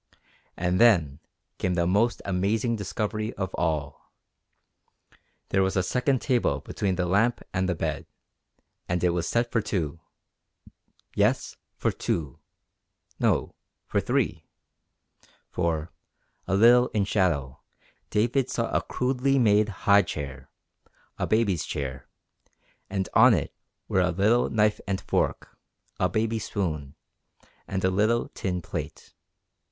And then came the most amazing discovery of all. There was a second table between the lamp and the bed, and it was set for two! Yes, for two! No, for three! For, a little in shadow, David saw a crudely made high chair a baby's chair and on it were a little knife and fork, a baby spoon, and a little tin plate.